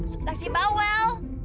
seperti taksi bawel